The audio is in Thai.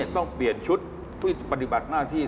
ต้องเปลี่ยนชุดเพื่อปฏิบัติหน้าที่